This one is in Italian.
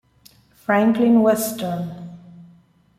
Franklin Western